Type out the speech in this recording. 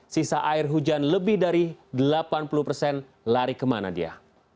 sisa air hujan lebih dari delapan puluh persen lari kemana dia